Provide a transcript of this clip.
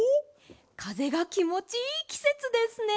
かぜがきもちいいきせつですね！